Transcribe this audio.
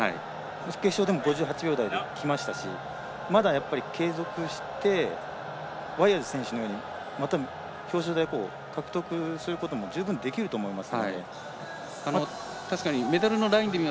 決勝でも５８秒台できましたしまだ、継続してワイヤーズ選手のようにまた表彰台、獲得することも十分できると思いますので。